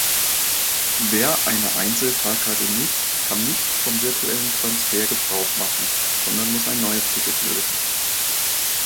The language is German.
Wer eine Einzelfahrkarte nutzt, kann nicht vom „virtuellen Transfer“ gebrauch machen, sondern muss ein neues Ticket lösen.